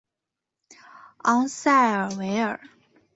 昂塞尔维尔。